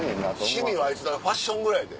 趣味はあいつだからファッションぐらいやで。